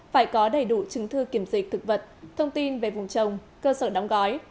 phải có đầy đủ chứng thư kiểm dịch thực vật thông tin về vùng trồng cơ sở đóng gói